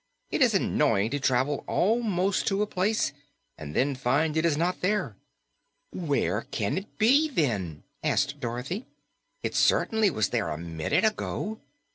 It is annoying to travel almost to a place and then find it is not there." "Where can it be, then?" asked Dorothy. "It cert'nly was there a minute ago."